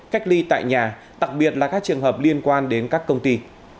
cách ly tại nhà đặc biệt là các trường hợp liên quan đến các công ty